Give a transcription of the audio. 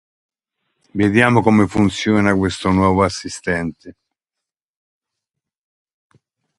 Metallic strip also beneath top right value numeral.